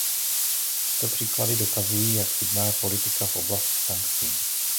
Tyto příklady dokazují, jak chybná je politika v oblasti sankcí.